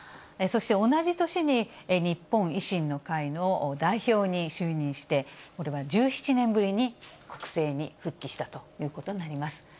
そして同じ年に、日本維新の会の代表に就任して、これは１７年ぶりに国政に復帰したということになります。